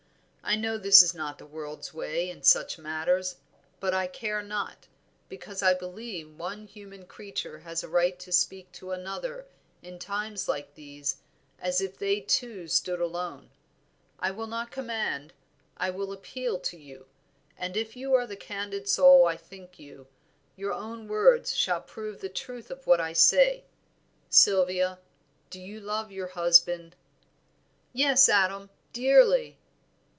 I know this is not the world's way in such matters; but I care not; because I believe one human creature has a right to speak to another in times like these as if they two stood alone. I will not command, I will appeal to you, and if you are the candid soul I think you, your own words shall prove the truth of what I say. Sylvia, do you love your husband?" "Yes, Adam, dearly."